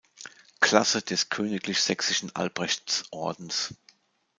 Klasse des Königlich Sächsischen Albrechts-Ordens.